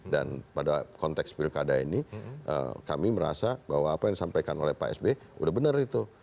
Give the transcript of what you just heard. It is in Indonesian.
dan pada konteks pilkada ini kami merasa bahwa apa yang disampaikan oleh pak sby udah benar itu